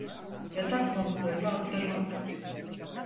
Yatak pamuklarını attırmak…